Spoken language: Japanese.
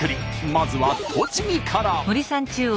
まずは栃木から。